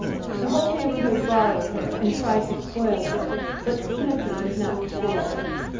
The whole neighbourhood borrowed her and tried to spoil her; but Snooky would not spoil.